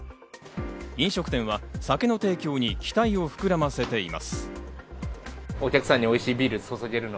飲食店は酒の提供に期待を膨らませています。